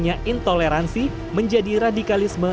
kekembangnya intoleransi menjadi radikalisme